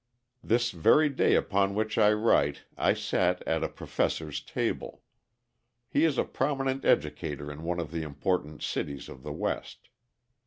This very day upon which I write I sat at a professor's table. He is a prominent educator in one of the important cities of the West.